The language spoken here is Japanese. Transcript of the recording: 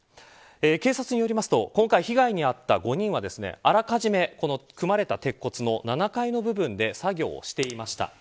警察によりますと今回、被害に遭った５人はあらかじめ組まれたた鉄骨の７階の部分で作業をしていました。